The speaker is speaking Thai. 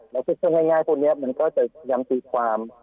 มันก็จะยิ่งพยายามสรีความ